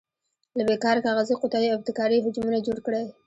له بې کاره کاغذي قطیو ابتکاري حجمونه جوړ کړئ.